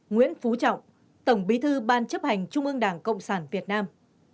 nguyễn phú trọng tổng bí thư ban chấp hành trung ương đảng cộng sản việt nam